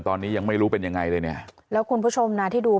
ตอนนี้ยังไม่รู้เป็นยังไงเลยเนี่ยแล้วคุณผู้ชมนะที่ดู